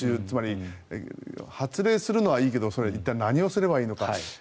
つまり、発令するのはいいけど一体、何をすればいいのか。